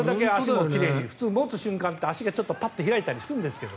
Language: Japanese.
普通持つ瞬間って足がパッと開いたりするんですけど。